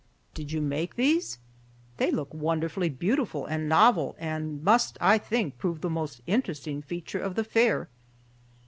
"Did you make these? They look wonderfully beautiful and novel and must, I think, prove the most interesting feature of the fair."